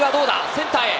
センターへ！